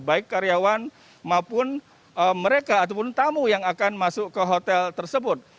baik karyawan maupun mereka ataupun tamu yang akan masuk ke hotel tersebut